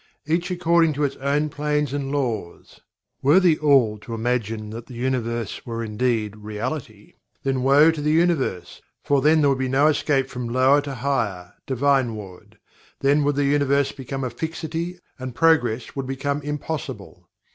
Each according to its own Plane and Laws. Were THE ALL to imagine that the Universe were indeed Reality, then woe to the Universe, for there would be then no escape from lower to higher, divineward then would the Universe become a fixity and progress would become impossible.